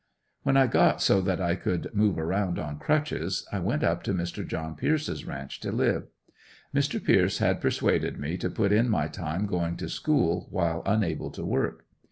When I got so that I could move around on crutches I went up to Mr. John Pierce's ranch to live. Mr. Pierce had persuaded me to put in my time going to school while unable to work.